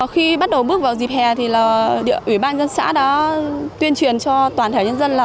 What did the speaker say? khi bắt đầu bước vào dịp hè thì ủy ban dân xã đã tuyên truyền cho toàn thể nhân dân là